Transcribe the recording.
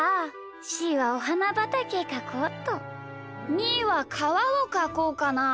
みーはかわをかこうかな。